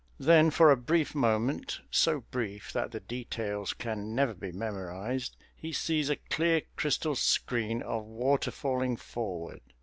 Then, for a brief moment so brief that the details can never be memorized he sees a clear crystal screen of water falling forward.